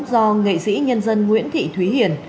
do nghệ sĩ nhân dân nguyễn thị thúy hiền